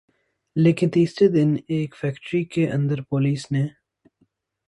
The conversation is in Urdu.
لیکن تیسرے دن ایک فیکٹری کے اندر پولیس نے